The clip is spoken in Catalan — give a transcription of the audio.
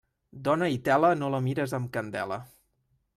Dona i tela no la mires amb candela.